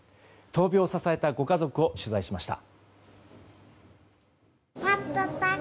闘病を支えたご家族を取材しました。